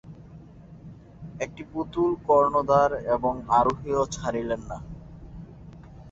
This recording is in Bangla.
একটি পুতুল কর্ণধার এবং আরোহীও ছাড়িলেন না।